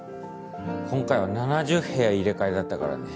今回は７０部屋入れ替えだったからね。